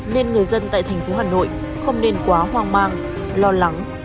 nên người dân tại thành phố hà nội không nên quá hoang mang lo lắng